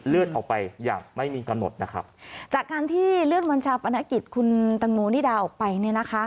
ออกไปอย่างไม่มีกำหนดนะครับจากการที่เลื่อนวันชาปนกิจคุณตังโมนิดาออกไปเนี่ยนะคะ